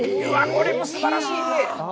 これもすばらしい。